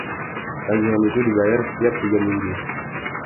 Tagihan itu dibayar setiap tiga minggu.